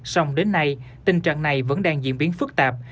xong đến nay tình trạng này vẫn đang diễn biến phức tạp